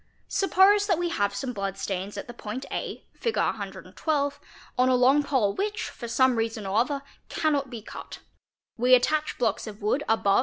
Sup pose that we have some blood stains at the point a (Fig. 112) on a long pole which for some reason or other cannot be cut; we attach blocks of wood above — Fig.